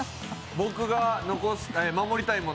僕が守りたいもの